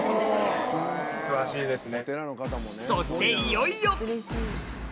そしていよいよ！